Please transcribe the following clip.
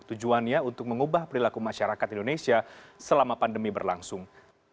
tujuannya untuk mengubah perilaku masyarakat indonesia selama pandemi berlangsung